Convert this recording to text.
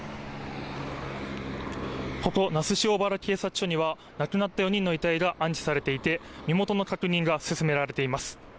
ここ那須塩原警察署には、亡くなった４人の遺体が安置されていて、身元の確認が進められています。